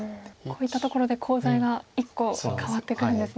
こういったところでコウ材が１個変わってくるんですね。